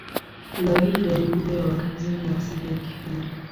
Leo hii idadi kubwa ya wakazi ni wa asili ya Kihindi.